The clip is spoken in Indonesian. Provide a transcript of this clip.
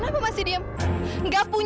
waktu gue jadi basah kan